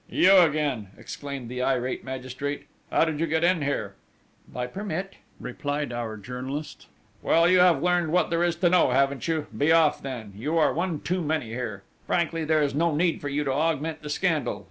"You again!" exclaimed the irate magistrate: "How did you get in here?" "By permit," replied our journalist. "Well, you have learned what there is to know, haven't you? Be off, then! You are one too many here!... Frankly, there is no need for you to augment the scandal!...